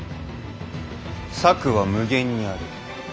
「策は無限にある」